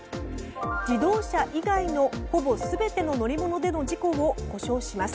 自動車以外のほぼ全ての乗り物での事故を補償します。